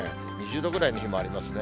２０度ぐらいの日もありますね。